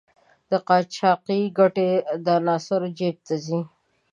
د قاچاقو ګټې د عناصرو جېب ته ځي.